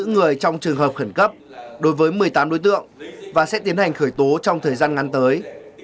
người trong trường hợp khẩn cấp đối với một mươi tám đối tượng và sẽ tiến hành khởi tố trong thời gian ngắn tới